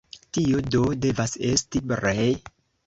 Tio do devas esti Brej.